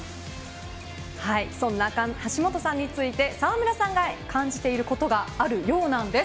そんな橋本さんについて沢村さんが感じていることがあるようなんです。